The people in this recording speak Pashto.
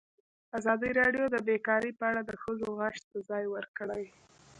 ازادي راډیو د بیکاري په اړه د ښځو غږ ته ځای ورکړی.